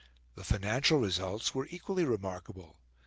The financial results were equally remarkable.